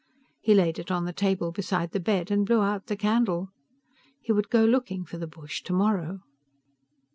He laid it on the table beside the bed and blew out the candle. He would go looking for the bush tomorrow.